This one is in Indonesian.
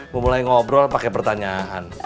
mau mulai ngobrol pake pertanyaan